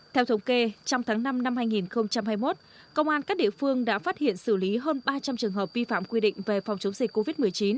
theo thống kê trong tháng năm năm hai nghìn hai mươi một công an các địa phương đã phát hiện xử lý hơn ba trăm linh trường hợp vi phạm quy định về phòng chống dịch covid một mươi chín